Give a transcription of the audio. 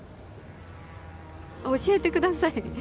教えてください。